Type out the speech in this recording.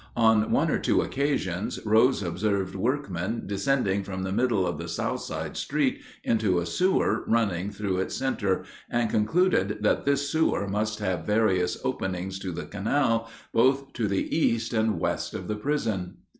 On one or two occasions Rose observed workmen descending from the middle of the south side street into a sewer running through its center, and concluded that this sewer must have various openings to the canal both to the east and west of the prison.